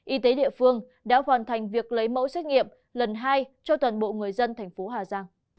y tế địa phương đã hoàn thành việc lấy mẫu xét nghiệm lần hai cho toàn bộ người dân thành phố hà giang